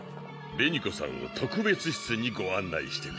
紅子さんを特別室にご案内してくれ。